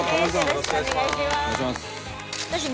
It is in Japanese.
よろしくお願いします。